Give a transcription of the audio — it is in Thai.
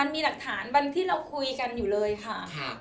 มีหลักฐานวันที่เราคุยกันอยู่เลยค่ะ